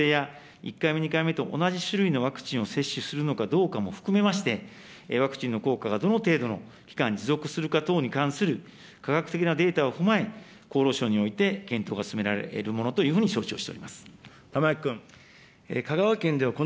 取り扱いにつきましては、３回目の接種の必要性や、１回目、２回目と同じ種類のワクチンを接種するのかどうかも含めまして、ワクチンの効果がどの程度の期間持続するか等に関する科学的なデータを踏まえ、厚労省において検討が進められるものというふうに承知をしております。